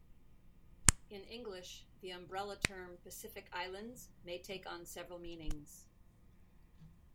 In English, the umbrella term "Pacific Islands" may take on several meanings.